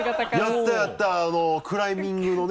やったやったあのクライミングのね。